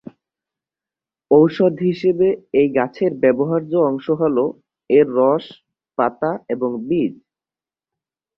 ঔষধ হিসাবে এই গাছের ব্যবহার্য অংশ হলো এর রস, পাতা এবং বীজ।